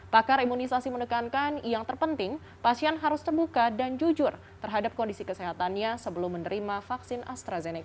pakar imunisasi menekankan yang terpenting pasien harus terbuka dan jujur terhadap kondisi kesehatannya sebelum menerima vaksin astrazeneca